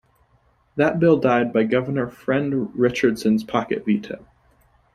That bill died by Governor Friend Richardson's pocket veto.